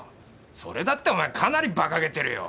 それだってお前かなり馬鹿げてるよ。